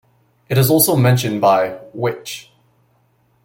It is also mentioned by 'Which?'.